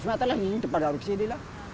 dua ratus meter lagi depan dari sini